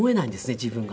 自分が。